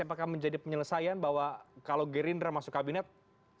apakah menjadi penyelesaian bahwa kalau gerindra masuk kabinet